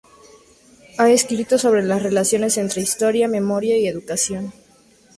Ha escrito sobre las relaciones entre historia, memoria y educación.